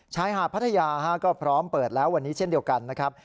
ชายหาดพัทยาก็พร้อมเปิดแล้ววันนี้เช่นเดียวกันนะครับ